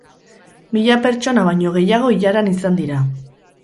Mila pertsona baino gehiago ilaran izan dira.